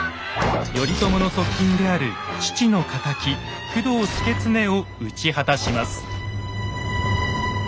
頼朝の側近である父の敵工藤祐経を討ち果たします。